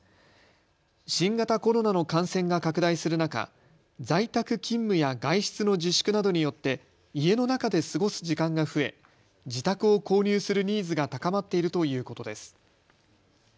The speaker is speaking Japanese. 新型コロナの感染が拡大する中、在宅勤務や外出の自粛などによって家の中で過ごす時間が増え自宅を購入するニーズが高まっているということです。